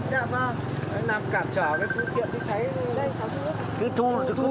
để làm cản trở cái phương tiện chữa cháy này